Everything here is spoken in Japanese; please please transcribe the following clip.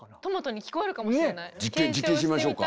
実験しましょうか。